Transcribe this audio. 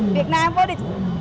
việt nam với